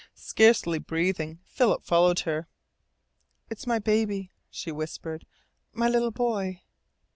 Scarcely breathing, Philip followed her. "It's my baby," she whispered, "My little boy."